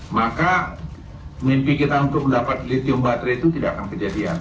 maka mimpi kita untuk mendapat lithium baterai itu tidak akan kejadian